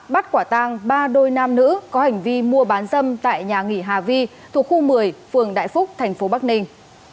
bắt quả tàng ba đôi nam nữ có hành vi mua bán dâm tại nhà nghỉ hà vi thuộc khu một mươi phường đại phúc tp bắc ninh